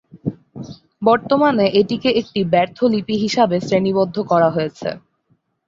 বর্তমানে এটিকে একটি ব্যর্থ লিপি হিসাবে শ্রেণীবদ্ধ করা হয়েছে।